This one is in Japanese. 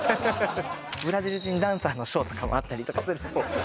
ブラジル人ダンサーのショーとかもあったりとかするスポット